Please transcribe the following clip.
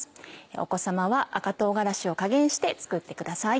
お子様は赤唐辛子を加減して作ってください。